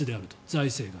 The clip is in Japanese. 財政が。